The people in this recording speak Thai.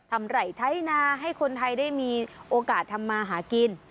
ไหล่ไถนาให้คนไทยได้มีโอกาสทำมาหากิน